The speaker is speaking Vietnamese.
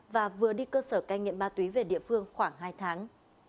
và vừa đi cơ sở canh nghiệm ma túy về địa phương khoảng hai tháng